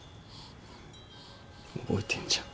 覚えてんじゃん。